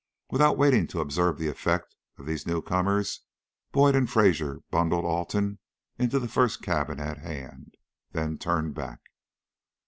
Without waiting to observe the effect of these new comers, Boyd and Fraser bundled Alton into the first cabin at hand, then turned back.